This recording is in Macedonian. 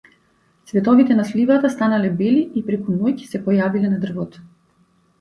Цветовите на сливата станале бели и преку ноќ се појавиле на дрвото.